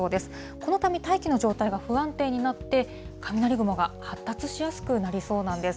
このため大気の状態が不安定になって、雷雲が発達しやすくなりそうなんです。